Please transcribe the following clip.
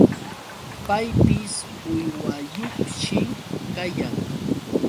Paypis uywayuqshi kayan.